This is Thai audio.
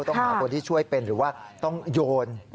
ต้องหาคนที่ช่วยเป็นหรือว่าต้องโยน